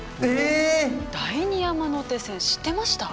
第二山手線知ってました？